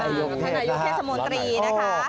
ท่านไนยุงเทศสมนตรีนะคะ